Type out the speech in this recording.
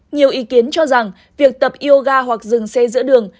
nhiều ý kiến cho rằng việc tập yoga hoặc dừng xe giữa đường